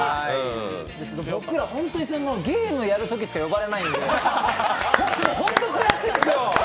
僕ら、本当にゲームやるときしか呼ばれないんで、ホント悔しいんですよ。